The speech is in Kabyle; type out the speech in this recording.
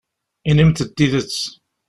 Inim-d tidet.